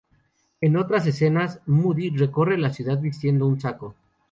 En otras escenas, Moody recorre la ciudad vistiendo un saco.